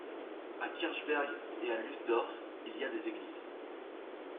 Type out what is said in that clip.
À Kirchberg et à Lustdorf il y a des églises.